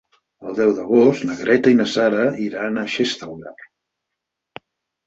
El deu d'agost na Greta i na Sara iran a Xestalgar.